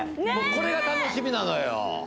これが楽しみなのよ